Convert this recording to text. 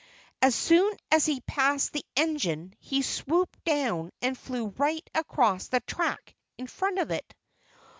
As soon as he had passed the engine he swooped down and flew right across the track in front of it.